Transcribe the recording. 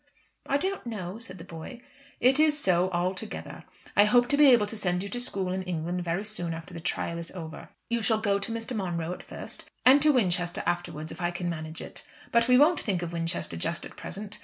"I don't know," said the boy. "It is so, altogether. I hope to be able to send you to school in England very soon after the trial is over. You shall go to Mr. Monro at first, and to Winchester afterwards, if I can manage it. But we won't think of Winchester just at present.